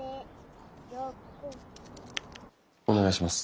お願いします。